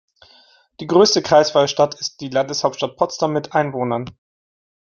Die größte kreisfreie Stadt ist die Landeshauptstadt Potsdam mit Einwohnern.